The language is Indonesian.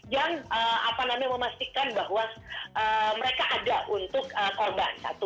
yang apa namanya memastikan bahwa mereka ada untuk korban